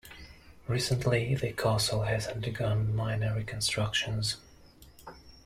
Recently, the castle has undergone minor reconstructions.